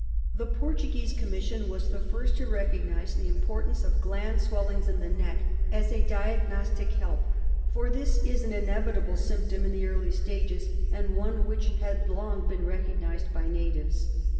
The Portuguese Commission was the first to recognise the importance of gland swellings in the neck as a diagnostic help, for this is an inevitable symptom in the early stages, and one which had long been recognised by natives.